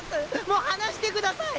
もう放してください。